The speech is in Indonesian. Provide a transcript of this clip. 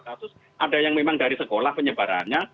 kasus ada yang memang dari sekolah penyebarannya